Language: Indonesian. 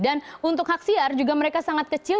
dan untuk haksiar juga mereka sangat kecil